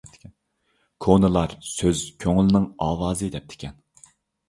كونىلار: «سۆز كۆڭۈلنىڭ ئاۋازى» دەپتىكەن.